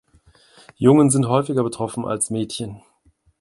Jungen sind häufiger betroffen als Mädchen.